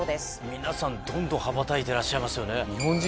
皆さんどんどん羽ばたいてらっしゃいますよね。